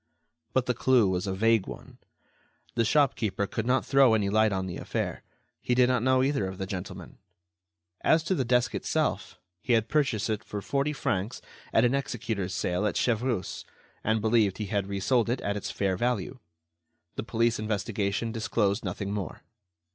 But the clue was a vague one. The shopkeeper could not throw any light on the affair. He did not know either of the gentlemen. As to the desk itself, he had purchased it for forty francs at an executor's sale at Chevreuse, and believed he had resold it at its fair value. The police investigation disclosed nothing more.